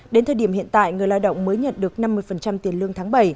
đến thời điểm hiện tại người lao động mới nhận được năm mươi tiền lương tháng bảy